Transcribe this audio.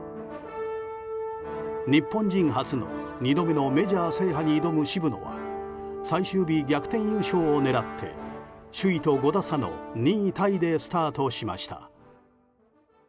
日本人初の２度目のメジャー制覇に挑む渋野は最終日、逆転優勝を狙って首位と５打差の２位タイでスタートしました。